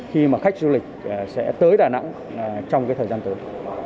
khi mà khách du lịch sẽ tới đà nẵng trong cái thời gian tới